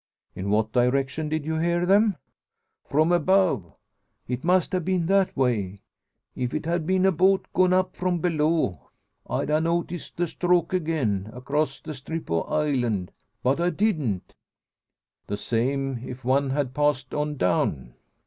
"In what direction did you hear them?" "From above. It must ha' been that way. If't had been a boat gone up from below, I'd ha' noticed the stroke again, across the strip o' island. But I didn't." "The same if one had passed on down."